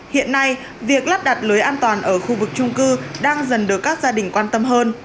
hiện nay việc lắp đặt lưới an toàn ở khu vực trung cư đang dần được các gia đình quan tâm hơn